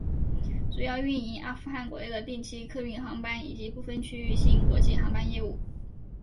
主要运营阿富汗国内的定期客运航班以及部分区域性国际航班业务。